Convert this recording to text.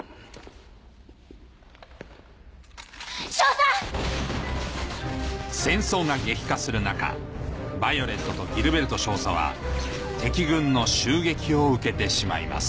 少佐‼戦争が激化する中ヴァイオレットとギルベルト少佐は敵軍の襲撃を受けてしまいます